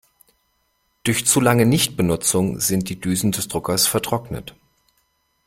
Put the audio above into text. Durch zu lange Nichtbenutzung sind die Düsen des Druckers vertrocknet.